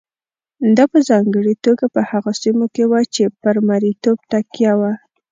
دا په ځانګړې توګه په هغو سیمو کې وه چې پر مریتوب تکیه وه.